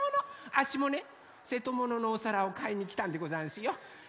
あっしもねせともののおさらをかいにきたんでござんすよ。